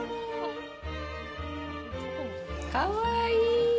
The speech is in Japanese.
かわいい。